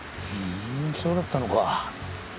ふんそうだったのか。